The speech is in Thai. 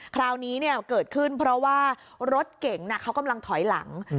คราวนี้เกิดขึ้นเพราะว่ารถเก่งเขากำลังถอยหลัง